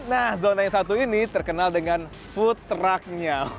nah zona yang satu ini terkenal dengan food truck nya